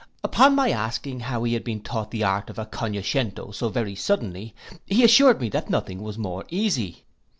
Upon my asking how he had been taught the art of a connoscento so very suddenly, he assured me that nothing was more easy.